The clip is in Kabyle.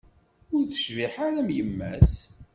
Ur tecbiḥ ara am yemma-s.